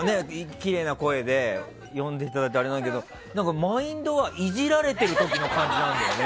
きれいな声で読んでいただいてあれだけどマインドはイジられてる時の感じなんだよね。